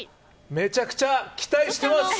めちゃくちゃ期待してます！